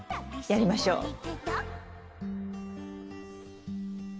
やりましょう。